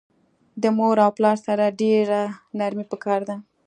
د مور او پلار سره ډیره نرمی پکار ده